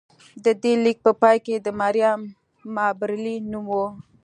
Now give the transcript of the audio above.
د دې لیک په پای کې د مریم مابرلي نوم و